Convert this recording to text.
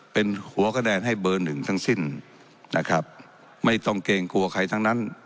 เป็นหัวคะแนนให้เบอร์หนึ่งทั้งสิ้นนะครับไม่ต้องเกรงกลัวใครทั้งนั้น